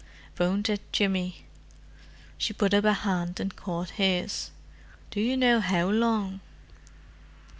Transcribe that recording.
"Won't it, Jimmy?" She put up a hand and caught his. "Do you know how long?"